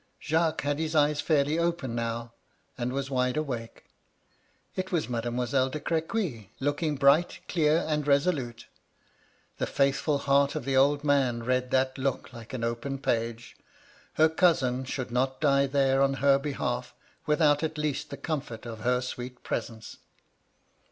Jaxx][ues had his eyes fairly open now ; and was wide awake. It was Mademoiselle de Crequy, looking bright, clear, and resolute. The faithful heart of the old man read that look like an open page. Her cousin should not die there on her behalf, without at least the comfort of her sweet presence.